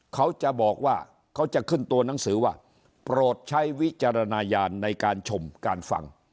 เขาจะบอกว่าเขาจะขึ้นตัวหนังสือว่าโปรดใช้วิจารณญาณในการชมการฟัง